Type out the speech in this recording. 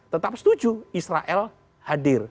tetap setuju israel hadir